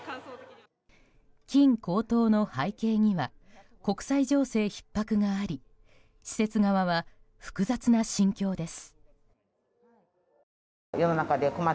金高騰の背景には国際情勢ひっ迫があり施設側は複雑な心境です。